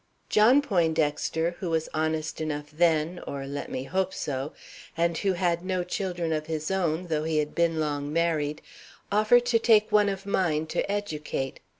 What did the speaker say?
John Poindexter, who was honest enough then, or let me hope so, and who had no children of his own, though he had been long married, offered to take one of mine to educate.